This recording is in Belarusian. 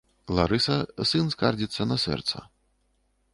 Ларыса, сын скардзіцца на сэрца.